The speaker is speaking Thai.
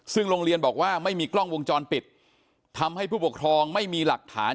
ซึ่งโรงเรียนบอกว่าไม่มีกล้องวงจรปิดทำให้ผู้ปกครองไม่มีหลักฐาน